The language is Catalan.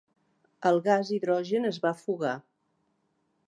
El gas hidrogen es va fugar.